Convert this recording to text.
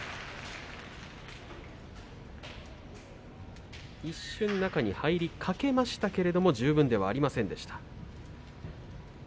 拍手一瞬、中に入りかけましたけれども十分ではありませんでした。